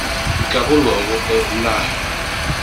Il capoluogo è Lar.